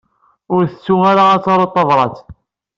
Ur tettu ara ad taruḍ tabrat.